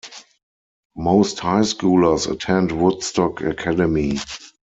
Most high schoolers attend Woodstock Academy.